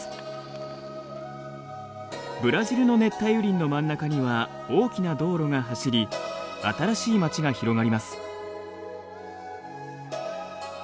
ブラジルの熱帯雨林の真ん中には大きな道路が走り新しい町が広がります。